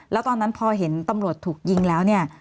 แล้วตอนนั้นพอเห็นตำรวจถูกยิงแล้วเนี่ย